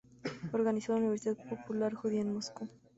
Organizó la Universidad Popular Judía en Moscú.